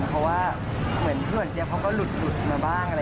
เพราะว่าเหมือนพี่หวันเจ๊บเขาก็หลุดมาบ้าง